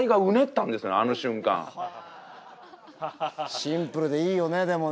シンプルでいいよねでもね。